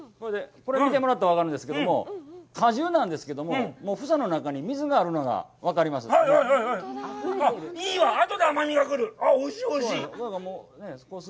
これ見てもらったら分かるんですけども、果汁なんですけども、房の中に水があるのが分かります。